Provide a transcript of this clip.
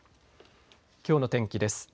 きょうの天気です。